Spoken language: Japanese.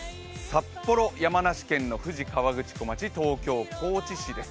札幌、山梨県の富士河口湖町、東京、高知市です。